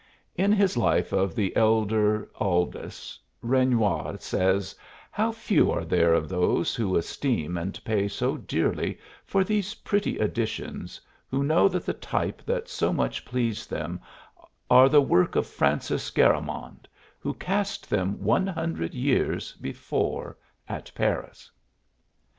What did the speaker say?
In his life of the elder Aldus, Renouard says: "How few are there of those who esteem and pay so dearly for these pretty editions who know that the type that so much please them are the work of Francis Garamond, who cast them one hundred years before at Paris."